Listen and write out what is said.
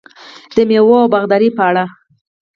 د میوو او باغدارۍ په اړه: